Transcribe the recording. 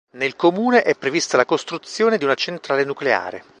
Nel comune è prevista la costruzione di una centrale nucleare.